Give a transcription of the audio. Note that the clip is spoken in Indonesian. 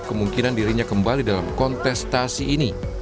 kemungkinan dirinya kembali dalam kontestasi ini